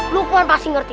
lukman pasti ngerti